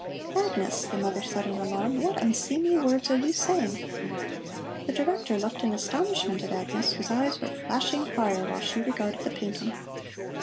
"Agnes," the mother said in alarm, "what unseemly words are you saying?" The Director looked in astonishment at Agnes, whose eyes were flashing fire while she regarded the painting.